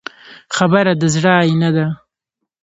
خبره د زړه آیینه ده.